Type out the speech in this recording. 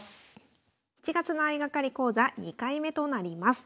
７月の相掛かり講座２回目となります。